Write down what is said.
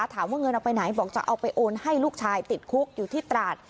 ถามว่าเงินเอาไปไหนบอกจะเอาไปโอนให้ลูกชายติดคุกอยู่ที่ตราด